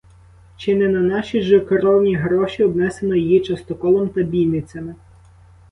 Чи не на наші ж кровні гроші обнесено її частоколом та бійницями?